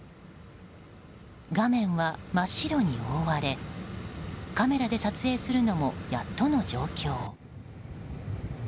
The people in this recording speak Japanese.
画面は真っ白に覆われカメラで撮影するのもやっとの状況。